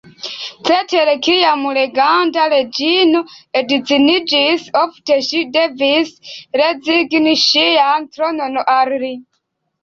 Cetere, kiam reganta reĝino edziniĝis, ofte ŝi devis rezigni ŝian tronon al li.